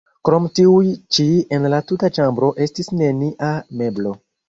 Krom tiuj ĉi en la tuta ĉambro estis nenia meblo.